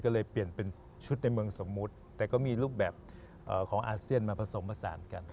ก็เลยเปลี่ยนเป็นชุดในเมืองสมมุติแต่ก็มีรูปแบบของอาเซียนมาผสมผสานกัน